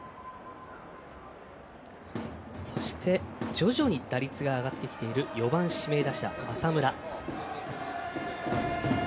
徐々に打率が上がってきている４番指名打者・浅村。